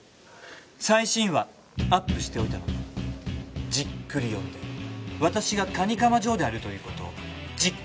最新話アップしておいたのでじっくり読んで私が蟹釜ジョーであるという事を実感してください。